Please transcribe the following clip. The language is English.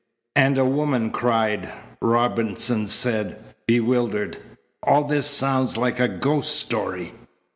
"And a woman cried!" Robinson said, bewildered. "All this sounds like a ghost story."